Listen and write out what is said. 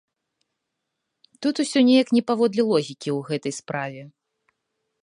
Тут усё неяк не паводле логікі ў гэтай справе.